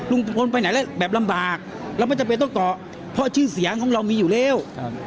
ลุงพลไปไหนแล้วแบบลำบากเราไม่จำเป็นต้องต่อเพราะชื่อเสียงของเรามีอยู่แล้ว